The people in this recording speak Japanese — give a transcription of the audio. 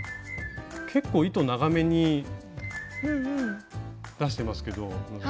結構糸長めに出してますけど希さん。